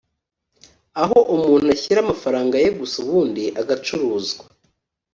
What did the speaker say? aho umuntu ashyira amafaraga ye gusa ubundi agacuruzwa